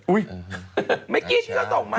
เมื่อกี้ที่เราส่งมา